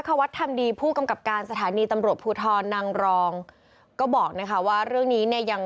หัวโอกลเป็นแม่เนอะ